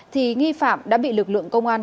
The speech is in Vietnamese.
thì nghi phạm đã bị lực lượng công an